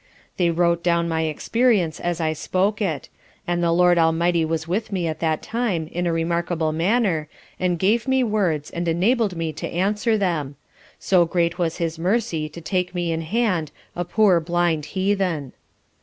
They wrote down my experience as I spoke it; and the Lord Almighty was with me at that time in a remarkable manner, and gave me words and enabled me to answer them; so great was his mercy to take me in hand a poor blind heathen.